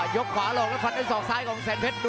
ยกขวารองแล้วพัดด้วยสอกซ้ายของแสนเพชร